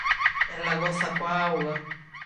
Ela goza coa agua.